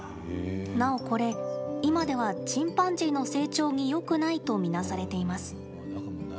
なお、これ今ではチンパンジーの成長によくないと見なされています。